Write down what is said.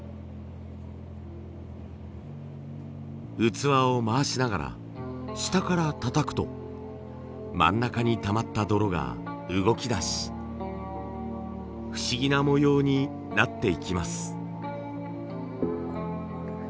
器を回しながら下からたたくと真ん中にたまった泥が動きだし不思議な模様になっていきます。